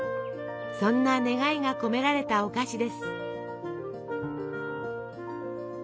そんな願いが込められたお菓子です。